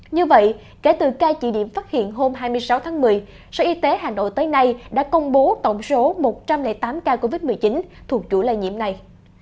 như vậy kể từ ca chỉ điểm phát hiện hôm hai mươi sáu tháng một mươi sở y tế hà nội tới nay đã công bố tổng số một trăm linh tám ca covid một mươi chín thuộc chủ lây nhiễm này